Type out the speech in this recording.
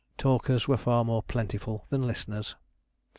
Talkers were far more plentiful than listeners.